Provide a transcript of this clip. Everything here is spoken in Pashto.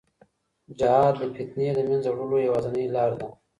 جهاد د فتنې د منځه وړلو یوازینۍ لار ده.